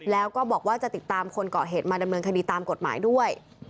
แล้วก็บอกว่าจะติดตามคนเกาะเหตุมาดำเนินคดีตามกฎหมายด้วย